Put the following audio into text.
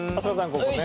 ここね。